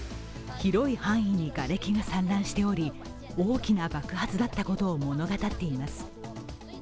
広い範囲にがれきが散乱しており大きな爆発だったことを物語っています。